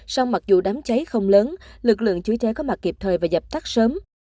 song mặc dù đám cháy không lớn lực lượng chữa cháy có mặt kịp thời và dập tắt sớm